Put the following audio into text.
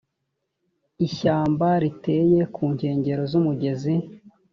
ishyamba riteye ku nkengero z’umugezi